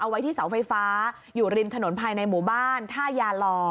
ไว้ที่เสาไฟฟ้าอยู่ริมถนนภายในหมู่บ้านท่ายาลอ